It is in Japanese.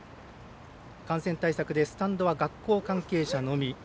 感染対策でスタンドは学校関係者のみ。